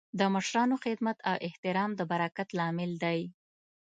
د مشرانو خدمت او احترام د برکت لامل دی.